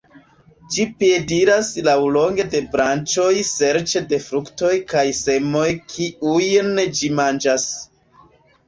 Ĝi piediras laŭlonge de branĉoj serĉe de fruktoj kaj semoj kiujn ĝi manĝas.